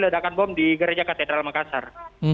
ledakan bom di gereja katedral makassar